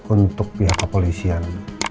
untuk pihak kepolisian